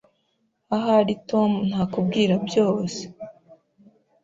Ahari Tom ntakubwira byose.